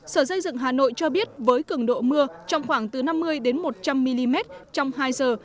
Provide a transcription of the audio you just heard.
sở dây dựng hà nội cho biết với cường độ mưa trong khoảng từ năm mươi một trăm linh mm trong hai giờ